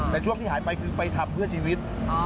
แต่ช่วงที่หายไปคือไปทำเพื่อชีวิต